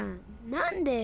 なんでよ。